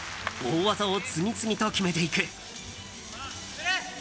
大技を次々と決めていく。